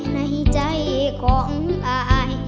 ในใจของอาย